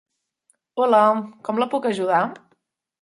Hola, com la puc ajudar?